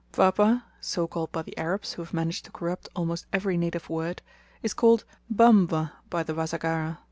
Mpwapwa so called by the Arabs, who have managed to corrupt almost every native word is called "Mbambwa" by the Wasagara.